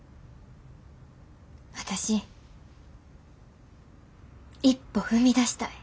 私一歩踏み出したい。